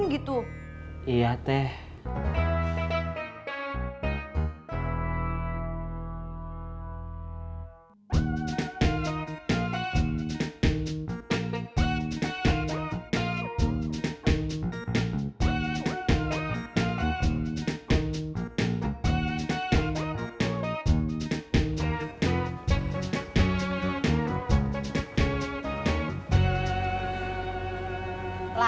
jangan nyuruh nyuruh sama orang lain